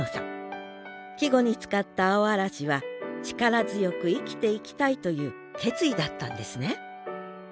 季語に使った「青嵐」は力強く生きていきたいという決意だったんですね。